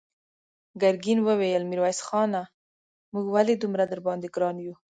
ګرګين وويل: ميرويس خانه! موږ ولې دومره درباندې ګران يو؟